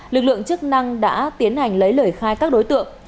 lực lượng chức năng đã tiến hành lấy lời khai các đối tượng